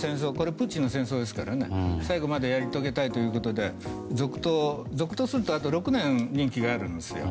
プーチンの戦争ですからこれを最後までやり遂げたいということで続投するとあと６年、任期があるんですよ。